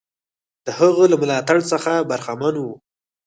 د هغه له ملاتړ څخه برخمن وو.